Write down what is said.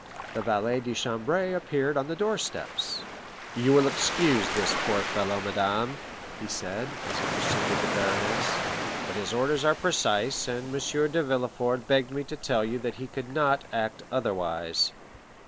The valet de chambre appeared on the door steps. "You will excuse this poor fellow, madame," he said, as he preceded the baroness, "but his orders are precise, and M. de Villefort begged me to tell you that he could not act otherwise."